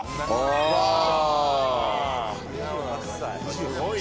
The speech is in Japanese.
すごいね。